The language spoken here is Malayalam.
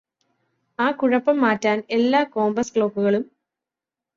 ആ കുഴപ്പം മാറ്റാന് എല്ലാ കോമ്പസ് ക്ലോക്കുകളും